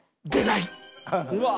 うわ。